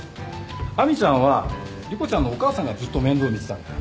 亜美ちゃんは莉湖ちゃんのお母さんがずっと面倒見てたんだよ。